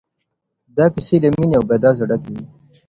دا کيسې له ميني او ګدازه ډکې وې.